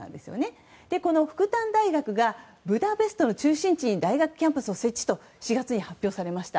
その復旦大学がブダペストの中心地に大学キャンパスを設置と４月に発表されました。